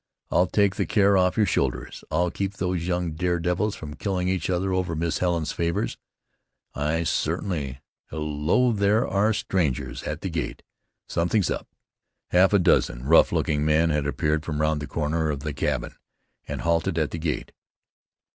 I'll take the care off your shoulders; I'll keep these young dare devils from killing each other over Miss Helen's favors. I certainly Hello! There are strangers at the gate. Something's up." Half a dozen rough looking men had appeared from round the corner of the cabin, and halted at the gate.